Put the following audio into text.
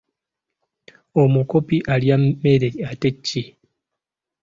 Omukopi alya mmere ate ki?